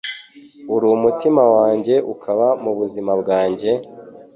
Ur' umutima wanjye ukaba mubuzima bwanjye,